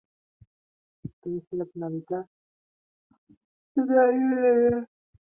তুমি স্রেফ নির্বিকার হয়ে দাঁড়িয়ে রইলে।